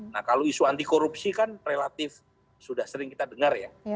nah kalau isu anti korupsi kan relatif sudah sering kita dengar ya